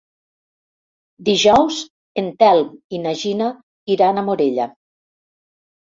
Dijous en Telm i na Gina iran a Morella.